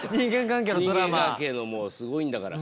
人間関係のもうすごいんだから。